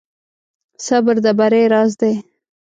صبر د بری راز دی.